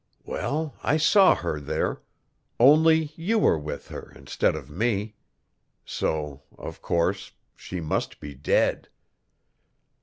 Well, I saw her there only you were with her instead of me. So, of course, she must be dead."